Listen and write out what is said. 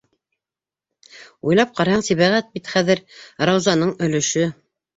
Уйлап ҡараһаң, Сибәғәт бит хәҙер Раузаның өлөшө.